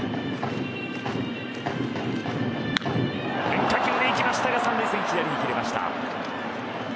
変化球でいきましたが三塁線、左に切れました。